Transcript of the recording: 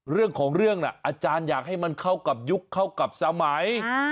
เรื่องของเรื่องน่ะอาจารย์อยากให้มันเข้ากับยุคเข้ากับสมัย